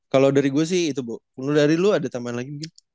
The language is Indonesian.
kalo dari gua sih itu bu lu dari lu ada tambahan yang bagus ya